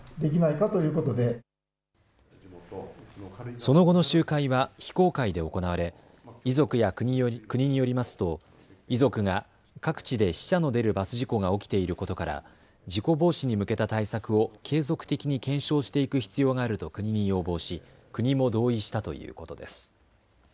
その後の集会は非公開で行われ遺族や国によりますと遺族が各地で死者の出るバス事故が起きていることから事故防止に向けた対策を継続的に検証していく必要があると国に要望し国も同意したということです。